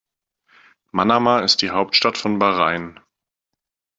Manama ist die Hauptstadt von Bahrain.